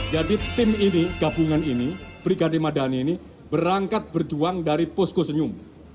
jadi tim ini gabungan ini brigade madani ini berangkat berjuang dari poskosinyum